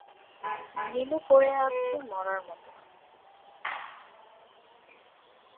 নীলু পড়ে আছে মড়ার মতো।